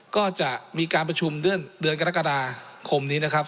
ก็จะมีการประชุมเดือนกรกฎาคมนี้นะครับ